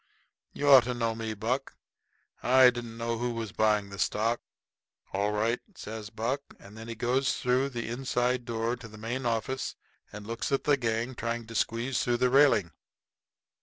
"You ought to know me, Buck. I didn't know who was buying the stock." "All right," says Buck. And then he goes through the inside door into the main office and looks at the gang trying to squeeze through the railing.